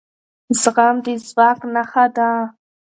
زغم د ځواک نښه ده